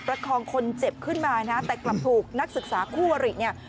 คองคนเจ็บขึ้นมานะแต่กลับถูกนักศึกษาคู่วริเนี่ย